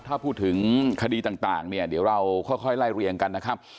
ถ้าพูดถึงคดีต่างเนี่ยเดี๋ยวเราค่อยไล่เรียงกันนะครับ